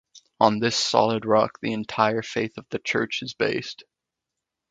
On this solid rock the entire faith of the church is based.